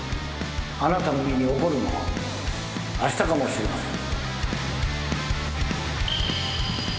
あなたの身に起こるのはあしたかもしれません。